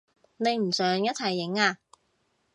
你唔想一齊影啊？